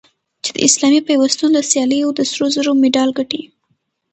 چې د اسلامي پیوستون له سیالیو د سرو زرو مډال ګټي